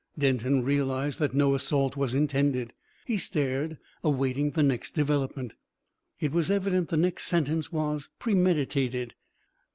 Denton realised that no assault was intended. He stared, awaiting the next development. It was evident the next sentence was premeditated.